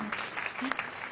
えっ？